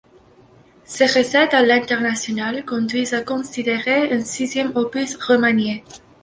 Ses recettes à l'international conduisent à considérer un sixième opus remanié.